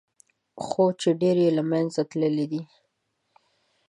خو ډېر یې له منځه تللي دي.